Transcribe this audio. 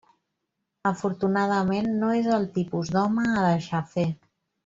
Afortunadament, no és el tipus d'home a deixar fer.